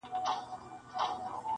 نن ځم له لېونو څخه به سوال د لاري وکم-